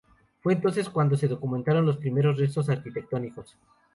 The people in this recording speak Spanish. Fue entonces cuando se documentaron los primeros restos arquitectónicos.